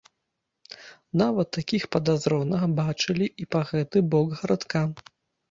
Нават такіх падазроных бачылі і па гэты бок гарадка.